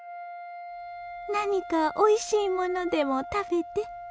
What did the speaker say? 何かおいしいものでも食べて。